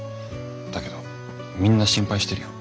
だけどみんな心配してるよ。